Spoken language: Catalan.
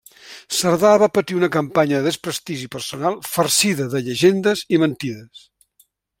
Cerdà va patir una campanya de desprestigi personal farcida de llegendes i mentides.